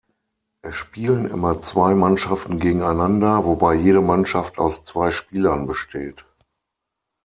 Es spielen immer zwei Mannschaften gegeneinander, wobei jede Mannschaft aus zwei Spielern besteht.